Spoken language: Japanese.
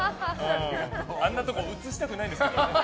あんなところ映したくないですよ。